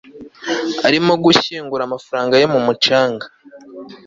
arimo gushyingura amafaranga ye mu mucanga